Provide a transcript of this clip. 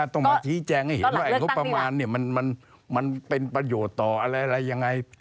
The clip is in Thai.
ต้องมาชี้แจงให้เห็นว่างบประมาณมันเป็นประโยชน์ต่ออะไรยังไง